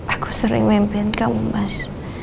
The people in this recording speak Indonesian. aku sering memimpin kamu mas